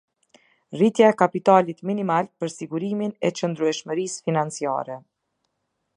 Rritja e kapitalit minimal për sigurimin e qëndrueshmërisë financiare.